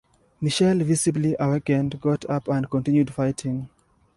Mitchell, visibly awakened, got up and continued fighting.